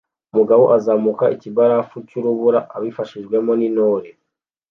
Umugabo uzamuka ikibarafu cyurubura abifashijwemo nintore